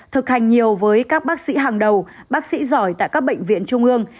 thực hành nhiều với các bác sĩ hàng đầu bác sĩ giỏi tại các bệnh viện trung ương